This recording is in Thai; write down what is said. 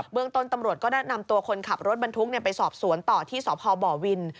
เมืองต้นตำรวจก็ได้นำตัวคนขับรถบรรทุกไปสอบสวนต่อที่สพบวิน